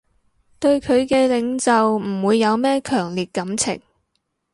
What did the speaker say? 對佢嘅領袖唔會有咩強烈感情